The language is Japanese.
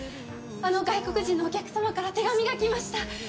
あの外国人のお客様から手紙が来ました。